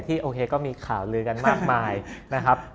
โอเคก็มีข่าวลือกันมากมายนะครับ